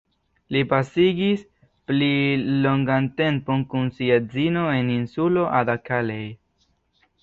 Li pasigis pli longan tempon kun sia edzino en insulo Ada-Kaleh.